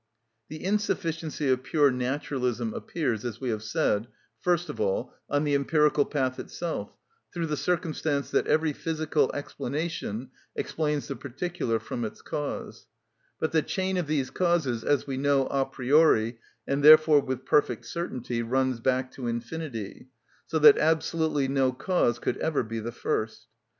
The insufficiency of pure naturalism appears, as we have said, first of all, on the empirical path itself, through the circumstance that every physical explanation explains the particular from its cause; but the chain of these causes, as we know a priori, and therefore with perfect certainty, runs back to infinity, so that absolutely no cause could ever be the first.